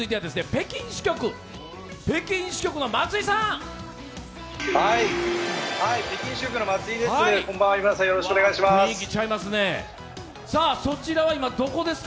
北京支局の松井です